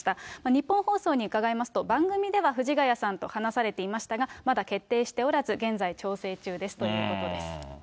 ニッポン放送に伺いますと、番組では藤ヶ谷さんと話されていましたが、まだ決定しておらず、現在調整中ですということです。